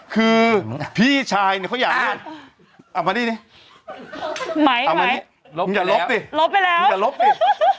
คือพี่ชัยเขาอยากเอามานี่เอามานี่มึงอย่าลบติมึงอย่าลบติ